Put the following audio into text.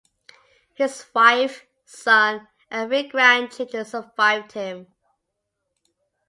His wife, son and three grandchildren survived him.